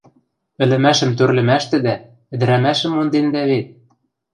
Ӹлӹмӓшӹм тӧрлӹмӓштӹдӓ ӹдӹрӓмӓшӹм мондендӓ вет!